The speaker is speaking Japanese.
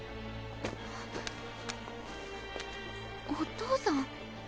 お父さん！